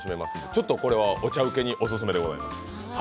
ちょっとこれはお茶請けにオススメでございます。